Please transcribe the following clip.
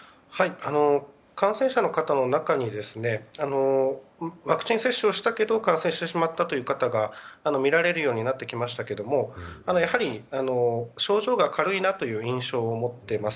感染者の方の中にワクチン接種をしたけど感染してしまった方が見られるようになってきましたけどもやはり、症状が軽いなという印象を持っています。